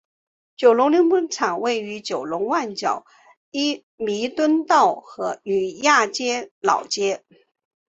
九龙溜冰场位于九龙旺角弥敦道与亚皆老街。